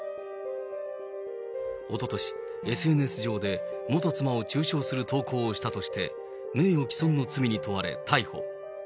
おととし、ＳＮＳ上で元妻を中傷する投稿をしたとして、名誉毀損の罪に問われ逮捕。